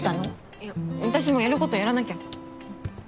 いや私もやることやらなきゃ。